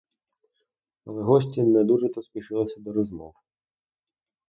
Але гості не дуже-то спішилися до розмов.